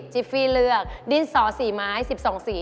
จิฟรีเลือกดินสอสีไม้๑๒สี